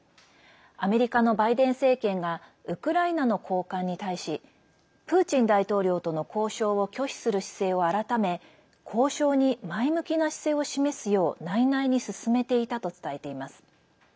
アメリカのバイデン政権がウクライナの高官に対しプーチン大統領との交渉を拒否する姿勢を改め交渉に前向きな姿勢を示すよう内々に進めていたと伝えています。